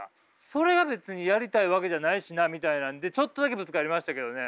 それが別にやりたいわけじゃないしなみたいなんでちょっとだけぶつかりましたけどね。